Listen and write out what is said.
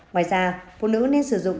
ngoài ra phụ nữ nên sử dụng